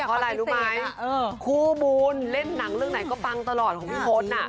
เพราะอะไรรู้ไหมคู่บูลเล่นหนังเรื่องไหนก็ปังตลอดของพี่พล